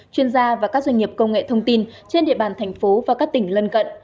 chuyên gia và các doanh nghiệp công nghệ thông tin trên địa bàn thành phố và các tỉnh lân cận